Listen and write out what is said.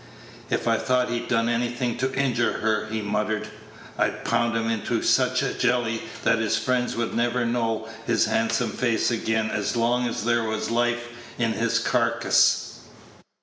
"If I thought he'd done anything to injure her," he muttered, "I'd pound him into such a jelly that his friends would never know his handsome face again as long as there was life in his carcass."